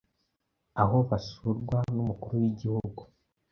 aho basurwa n'Umukuru w'Igihugu